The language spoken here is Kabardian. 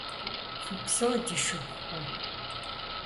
Фыпсэу, ди шыпхъухэ!